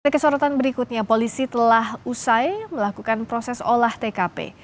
kesorotan berikutnya polisi telah usai melakukan proses olah tkp